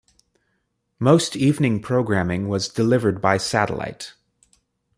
Most evening programming was delivered by satellite.